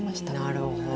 なるほど。